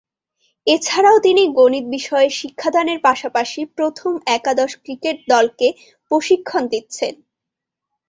এছাড়াও তিনি গণিত বিষয়ে শিক্ষাদানের পাশাপাশি প্রথম একাদশ ক্রিকেট দলকে প্রশিক্ষণ দিচ্ছেন।